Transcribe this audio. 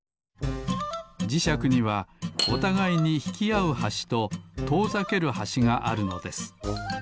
じしゃくにはおたがいにひきあうはしととおざけるはしがあるのです。